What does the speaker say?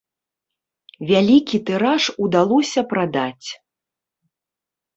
Вялікі тыраж удалося прадаць?